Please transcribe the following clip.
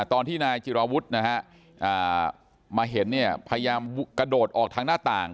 ตอนที่นายจิราวุฒินะฮะมาเห็นเนี่ยพยายามกระโดดออกทางหน้าต่าง